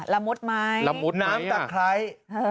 ละมุดไหมน้ำตะไคร้